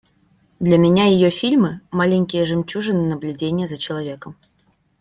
Для меня ее фильмы – маленькие жемчужины наблюдения за человеком.